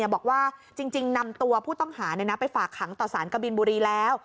บอกว่าจริงนำตัวผู้ต้องหาไปฝากขังต่อสารกบินบุรีแล้ว